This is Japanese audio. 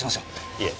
いえ。